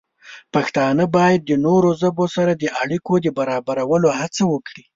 پښتانه باید د نورو ژبو سره د اړیکو د برابرولو هڅه وکړي.